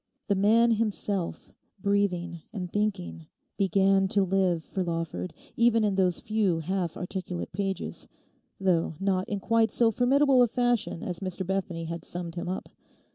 The man himself, breathing, and thinking, began to live for Lawford even in those few half articulate pages, though not in quite so formidable a fashion as Mr Bethany had summed him up.